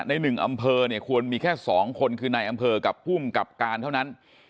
ในหนึ่งอำเภอเนี่ยควรมีแค่สองคนคือในอำเภอกับผู้มันกับการเท่านั้น